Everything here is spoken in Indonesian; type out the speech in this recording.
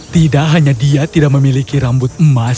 tidak hanya dia tidak memiliki rambut emas